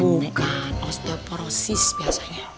bukan osteoporosis biasanya